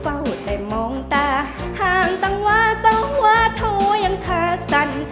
โอ้แต่มองตาห่างตังว่าสวทธยังขาสัน